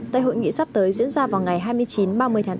tại hội nghị sắp tới diễn ra vào ngày hai mươi chín ba mươi tháng bốn